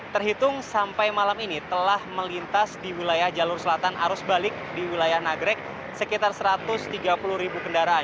terhitung sampai malam ini telah melintas di wilayah jalur selatan arus balik di wilayah nagrek sekitar satu ratus tiga puluh ribu kendaraan